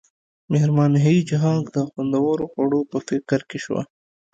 میرمن هیج هاګ د خوندورو خوړو په فکر کې شوه